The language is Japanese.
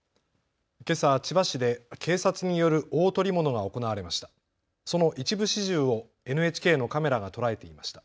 けさ、千葉市で警察による大捕り物が行われました。